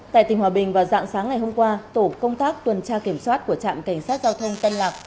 tại tỉnh hòa bình vào dạng sáng ngày hôm qua tổ công tác tuần tra kiểm soát của trạm cảnh sát giao thông tân lạc